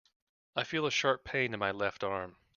I feel a sharp pain in my left arm.